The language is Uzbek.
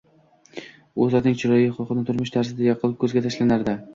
U zotning chiroyli xulqlari turmush tarzida yaqqol ko‘zga tashlanardi